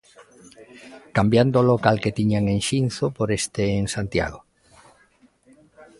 Cambiando o local que tiñan en Xinzo por este en Santiago...